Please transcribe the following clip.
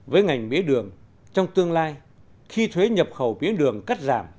với ngành mía đường trong tương lai khi thuế nhập khẩu biến đường cắt giảm